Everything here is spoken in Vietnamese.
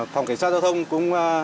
phòng cảnh sát giao thông cũng